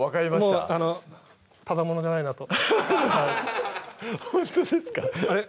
ただ者じゃないなとほんとですか？